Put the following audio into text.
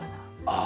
ああ！